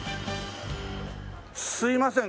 すいません